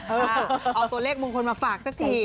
เออเอาตัวเลขมงคลมาฝากสักที